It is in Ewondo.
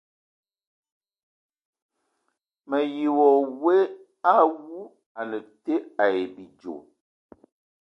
Me ayi wa we awu a na te ai bidzo !